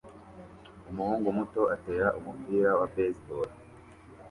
Umuhungu muto atera umupira wa baseball